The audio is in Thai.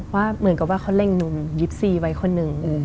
ว่าเหมือนกับว่าเขาเล็งหนุ่ม๒๔ไว้คนหนึ่ง